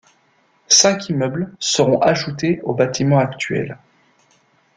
Cinq immeubles seront ajoutés au bâtiment actuel.